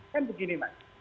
kan begini mas